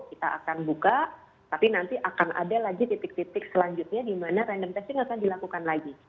kita akan buka tapi nanti akan ada lagi titik titik selanjutnya di mana random testing akan dilakukan lagi